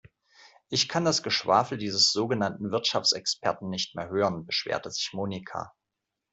Ich kann das Geschwafel dieses sogenannten Wirtschaftsexperten nicht mehr hören, beschwerte sich Monika.